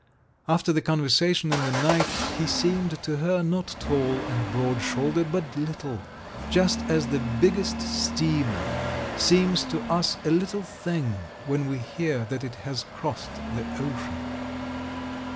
After the conversation in the night he seemed to her not tall and broad shouldered, but little, just as the biggest steamer seems to us a little thing when we hear that it has crossed the ocean.